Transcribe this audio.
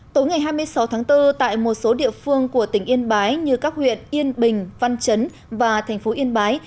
tối ngày hai mươi sáu tháng bốn tại một số địa phương của tỉnh yên bái như các huyện yên bình văn chấn và thành phố yên bái